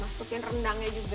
masukkan rendangnya juga